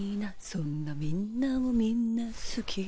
「そんなみんなをみんなすき」